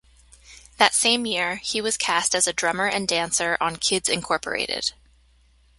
That same year, he was cast as a drummer and dancer on "Kids Incorporated".